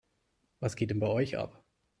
Was geht denn bei euch ab?